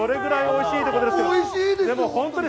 おいしいです。